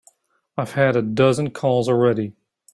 I've had a dozen calls already.